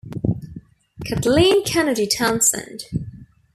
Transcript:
Kathleen Kennedy Townsend.